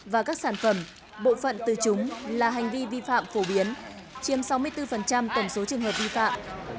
và các sản phẩm bộ phận từ chúng là hành vi vi phạm phổ biến chiếm sáu mươi bốn tổng số trường hợp vi phạm